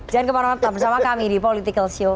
jangan kemarau marau tetap bersama kami di politikalshow